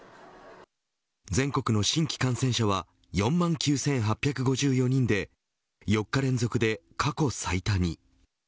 全国の新規感染者は４万９８５４人で４日連続で過去最多に。